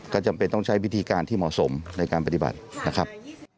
ก็จำเป็นต้องใช้วิธีการที่เหมาะสมในการปฏิบัตินะครับ